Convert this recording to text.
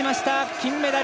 金メダル！